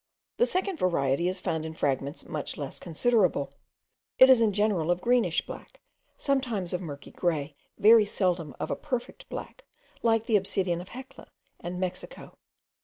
The second variety is found in fragments much less considerable. It is in general of a greenish black, sometimes of murky grey, very seldom of a perfect black, like the obsidian of Hecla and Mexico.